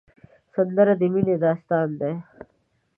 سندره د مینې داستان دی